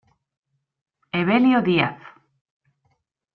Evelio Díaz.